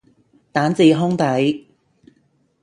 蛋治烘底